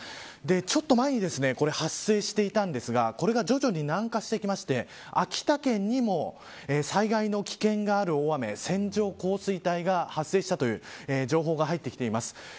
ちょっと前に発生していたんですがこれが徐々に南下してきまして秋田県にも災害の危険がある大雨線状降水帯が発生したという情報が入ってきています。